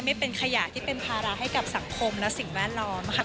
ไม่เป็นขยะที่เป็นภาระให้กับสังคมและสิ่งแวดล้อมค่ะ